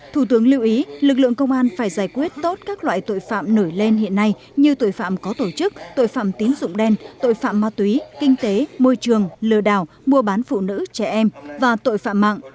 thủ tướng lưu ý lực lượng công an phải giải quyết tốt các loại tội phạm nổi lên hiện nay như tội phạm có tổ chức tội phạm tín dụng đen tội phạm ma túy kinh tế môi trường lừa đảo mua bán phụ nữ trẻ em và tội phạm mạng